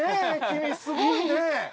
君すごいね！